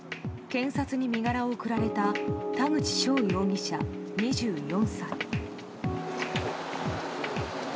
検察に身柄を送られた田口翔容疑者、２４歳。